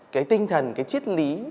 cái tinh thần cái chiết lý